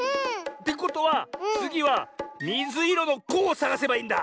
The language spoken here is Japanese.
ってことはつぎはみずいろの「コ」をさがせばいいんだ。